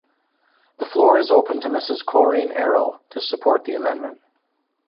The floor is open to Mrs Corinne Erhel to support the amendment.